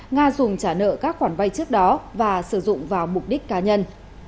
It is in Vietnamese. nga dùng trả nợ các khoản vay trước đó và sử dụng vào mục đích cá nhân